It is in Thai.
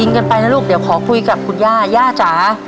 กันไปนะลูกเดี๋ยวขอคุยกับคุณย่าย่าจ๋า